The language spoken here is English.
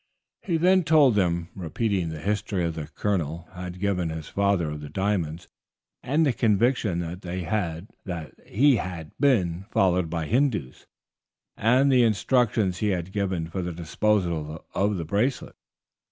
He then told them, repeating the history the Colonel had given his father of the diamonds, and the conviction that he had, that he had been followed by Hindoos, and the instructions he had given for the disposal of the bracelet.